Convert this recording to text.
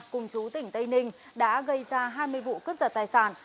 cùng chú tỉnh tây ninh đã gây ra hai mươi vụ cướp giật tài sản